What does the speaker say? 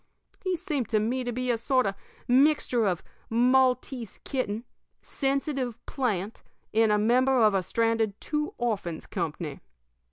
He seemed to me to be a sort of a mixture of Maltese kitten, sensitive plant, and a member of a stranded 'Two Orphans' company.